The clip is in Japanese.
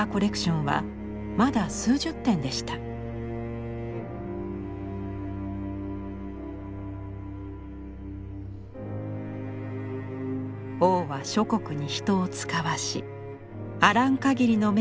王は諸国に人を遣わしあらん限りの名画を集めさせました。